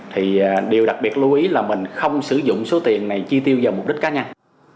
thì điều đặc biệt lưu ý là mình không sử dụng số tiền này chi tiêu vào mục đích cá nhân